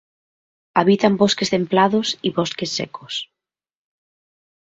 Habita en bosques templados y bosques secos.